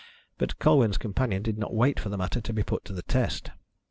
But Colwyn's companion did not wait for the matter to be put to the test.